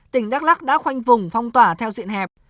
tỉnh đắk lắc đã khoanh vùng phong tỏa theo diện hẹp